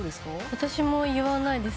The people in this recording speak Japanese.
私も言わないです。